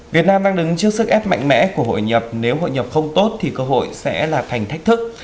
việt nam đang đứng trước sức ép mạnh mẽ của hội nhập nếu hội nhập không tốt thì cơ hội sẽ là thành thách thức